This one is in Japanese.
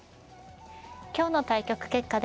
今日の対局の結果です。